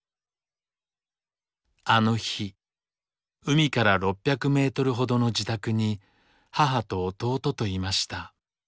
あの日海から６００メートルほどの自宅に母と弟といました。